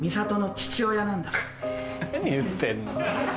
何言ってんの？